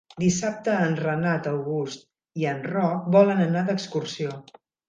Dissabte en Renat August i en Roc volen anar d'excursió.